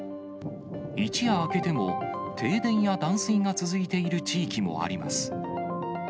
一夜明けても停電や断水が続いている地域もあります。